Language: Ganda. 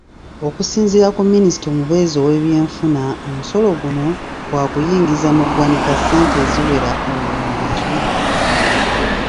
Okusinziira ku Minisita omubeezi ow'ebyenfuna, omusolo guno gwakuyingiza mu ggwanika ssente eziwera obuwumbi abiri.